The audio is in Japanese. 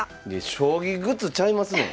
将棋グッズちゃいますのん？